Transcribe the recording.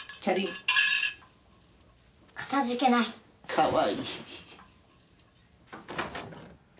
かわいい！